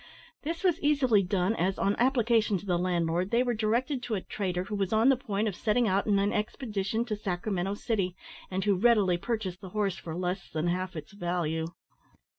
This was easily done, as, on application to the landlord, they were directed to a trader who was on the point of setting out on an expedition to Sacramento city, and who readily purchased the horse for less than half its value.